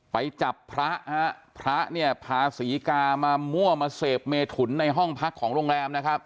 ไปจับพระฮะพระเนี่ยพาศรีกามามั่วมาเสพเมถุนในห้องพักของโรงแรมนะครับ